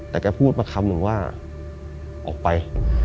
แต่แกพูดมาคำหนึ่งว่าออกไป